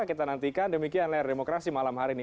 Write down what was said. kita nantikan demikian layar demokrasi malam hari ini